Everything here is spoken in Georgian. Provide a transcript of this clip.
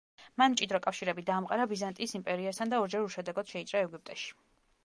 მან მჭიდრო კავშირები დაამყარა ბიზანტიის იმპერიასთან და ორჯერ უშედეგოდ შეიჭრა ეგვიპტეში.